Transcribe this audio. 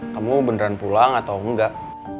kamu beneran pulang atau enggak